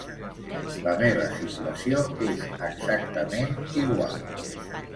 La meva situació és exactament igual.